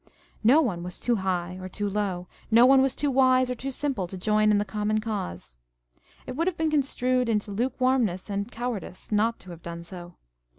No one was too high or too low, no one was too wise or too simple to join in the common cause. It would have been construed into lukewarmness and cowardice not to have done so.